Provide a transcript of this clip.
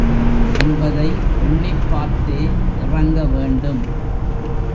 என்பதை எண்ணிப் பார்த்தே இறங்க வேண்டும்.